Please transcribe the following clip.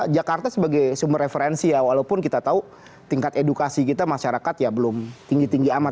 jakarta sebagai sumber referensi ya walaupun kita tahu tingkat edukasi kita masyarakat ya belum tinggi tinggi amat